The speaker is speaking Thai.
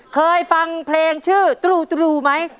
เคยฟังเพลงชื่อตรูไหม